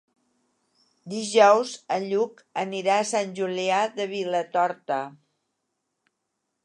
Dijous en Lluc anirà a Sant Julià de Vilatorta.